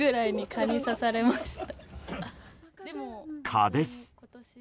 蚊です。